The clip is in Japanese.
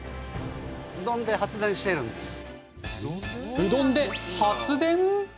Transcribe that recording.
うどんで発電？